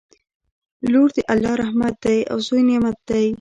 لور د الله رحمت دی او زوی نعمت دی